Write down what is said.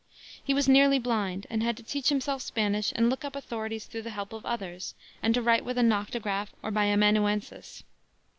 He was nearly blind, and had to teach himself Spanish and look up authorities through the help of others and to write with a noctograph or by amanuenses.